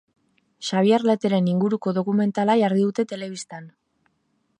Xabier Leteren inguruko dokumentala jarri dute telebistan.